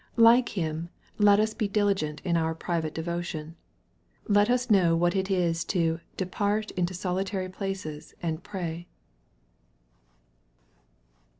Like Him, let ut be diligent in our private devotion. Let us know wha* it is to " depart into solitary places and pray."